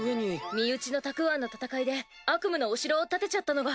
身内のたくわんの戦いで悪夢のお城を建てちゃったのが。